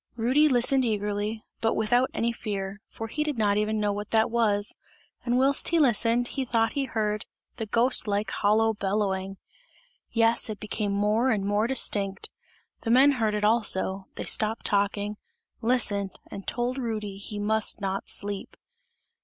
Rudy listened eagerly, but without any fear, for he did not even know what that was, and whilst he listened he thought he heard the ghost like hollow bellowing! Yes, it became more and more distinct, the men heard it also, they stopped talking, listened and told Rudy he must not sleep.